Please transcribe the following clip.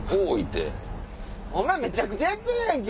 お前めちゃくちゃやってるやんけ！